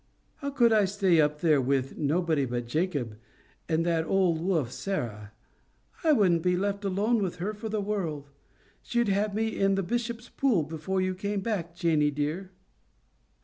"How could I stay up there with nobody but Jacob, and that old wolf Sarah? I wouldn't be left alone with her for the world. She'd have me in the Bishop's Pool before you came back, Janey dear."